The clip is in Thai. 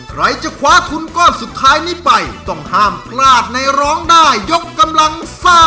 ใครจะคว้าทุนก้อนสุดท้ายนี้ไปต้องห้ามพลาดในร้องได้ยกกำลังซ่า